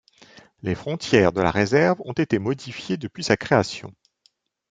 Les frontières de la réserve ont été modifiées depuis sa création.